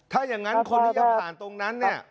ถ้าอย่างนั้นคนที่ยังผ่านตรงนั้น